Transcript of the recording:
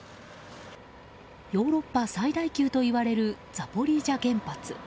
ヨーロッパ最大級といわれるザポリージャ原発。